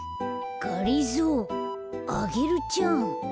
がりぞーアゲルちゃん。